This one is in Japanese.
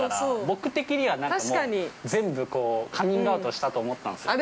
僕的には、もう全部カミングアウトしたと思ったんすよ。